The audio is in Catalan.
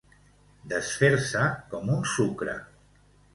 Desfer-se com un sucre.